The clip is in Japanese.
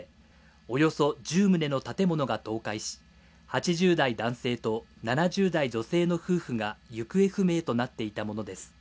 およそ１０棟の建物が倒壊し８０代男性と７０代女性の夫婦が行方不明となっていたものです。